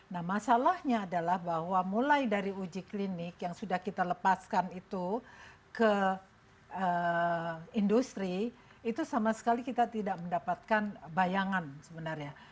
nah masalahnya adalah bahwa mulai dari uji klinik yang sudah kita lepaskan itu ke industri itu sama sekali kita tidak mendapatkan bayangan sebenarnya